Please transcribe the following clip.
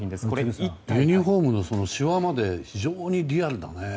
ユニホームのしわまで非常にリアルだね。